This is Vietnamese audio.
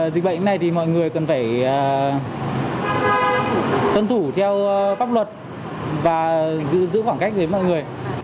dịch bệnh này thì mọi người cần phải tuân thủ theo pháp luật và giữ khoảng cách với mọi người